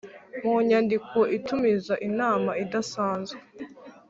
Mu nyandiko itumiza inama idasanzwe